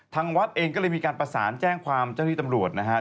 ทางวัดเองก็เลยมีการประสานแจ้งความเจ้าที่ตำรวจนะครับ